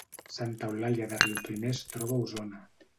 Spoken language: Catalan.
Santa Eulàlia de Riuprimer es troba a Osona